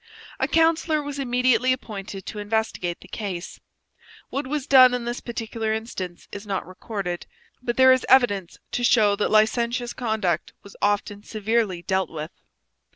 A councillor was immediately appointed to investigate the case. What was done in this particular instance is not recorded, but there is evidence to show that licentious conduct was often severely dealt with.